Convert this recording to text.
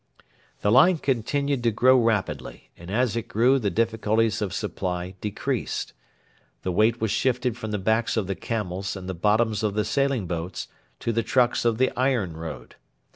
The line continued to grow rapidly, and as it grew the difficulties of supply decreased. The weight was shifted from the backs of the camels and the bottoms of the sailing boats to the trucks of the iron road.